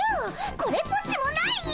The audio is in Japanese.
これっぽっちもないよ！